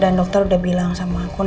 dan dokter udah bilang sama aku